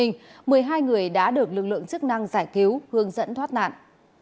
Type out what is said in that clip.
một mươi hai người đã được lực lượng chức năng giải cứu hướng dẫn thoát nạn